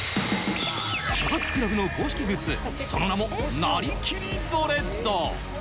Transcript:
所属クラブの公式グッズ、その名も「なりきりドレッド」。